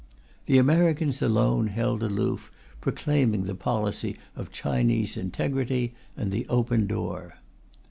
The Americans alone held aloof, proclaiming the policy of Chinese integrity and the Open Door.